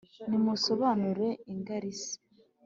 Nimusobanure ingarisi